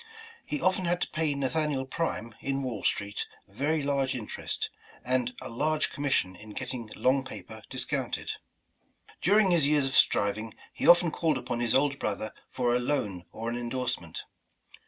He often had to pay Nathaniel Prime, in Wall Street, very large interest, and ^'a large commission in getting long paper discounted," During his years of striving, he often called upon his older brother for a loan or an endorsement.